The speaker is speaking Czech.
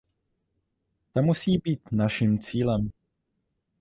Ta musí být našim cílem.